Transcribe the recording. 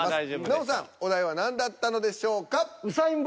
ノブさんお題は何だったのでしょうか。